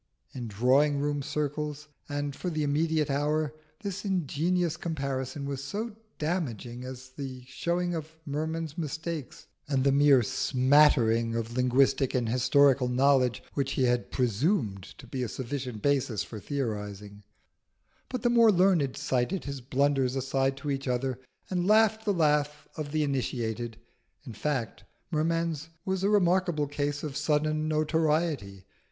In drawing room circles, and for the immediate hour, this ingenious comparison was as damaging as the showing up of Merman's mistakes and the mere smattering of linguistic and historical knowledge which he had presumed to be a sufficient basis for theorising; but the more learned cited his blunders aside to each other and laughed the laugh of the initiated. In fact, Merman's was a remarkable case of sudden notoriety.